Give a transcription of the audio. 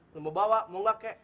semua bawa mau ngakak